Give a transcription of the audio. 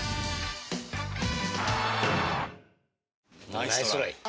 ナイストライ